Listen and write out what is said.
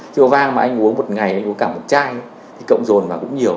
chứ rượu vàng mà anh uống một ngày anh uống cả một chai thì cộng rồn vào cũng nhiều